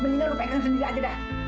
mendingan lu pegang sendiri aja dah